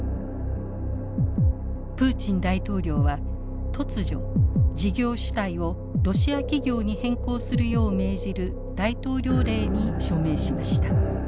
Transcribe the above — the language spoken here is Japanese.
プーチン大統領は突如事業主体をロシア企業に変更するよう命じる大統領令に署名しました。